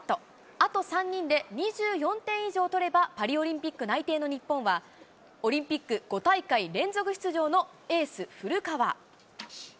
あと３人で２４点以上取ればパリオリンピック内定の日本は、オリンピック５大会連続出場のエース、古川。